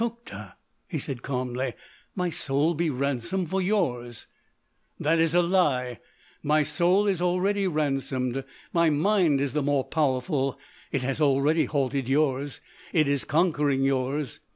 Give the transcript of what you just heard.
"Tokhta!" he said, calmly. "My soul be ransom for yours!" "That is a lie! My soul is already ransomed! My mind is the more powerful. It has already halted yours. It is conquering yours.